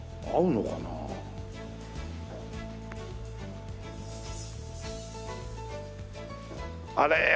あれ？